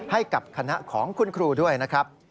ให้กับคณะของคุณครูด้วยนะครับ